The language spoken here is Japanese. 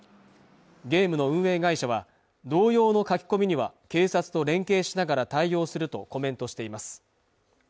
ゲームの運営会社は同様の書き込みには警察と連携しながら対応するとコメントしています